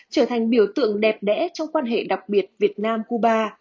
trở thành biểu tượng đẹp đẽ trong quan hệ đặc biệt việt nam cuba